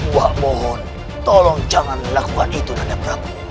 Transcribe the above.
wak mohon tolong jangan lakukan itu nanda prabu